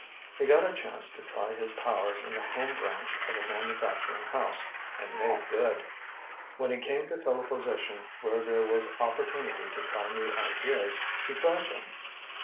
He got a chance to try his powers in the home branch of a manufacturing house, and made good. When he came to fill a position where there was opportunity to try new ideas, he tried them.